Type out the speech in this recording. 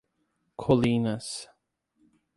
Colinas